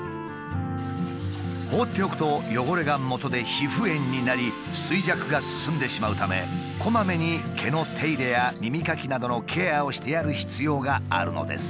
放っておくと汚れがもとで皮膚炎になり衰弱が進んでしまうためこまめに毛の手入れや耳かきなどのケアをしてやる必要があるのです。